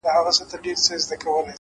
له تېروتنو زده کړه ځواک دی؛